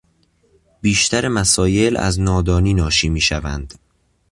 بیشتر مسایل، از نادانی ناشی میشوند.